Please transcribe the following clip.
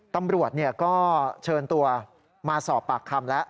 ตำรวจก็เชิญตัวมาสอบปากคำแล้ว